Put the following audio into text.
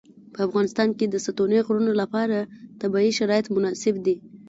په افغانستان کې د ستوني غرونه لپاره طبیعي شرایط مناسب دي.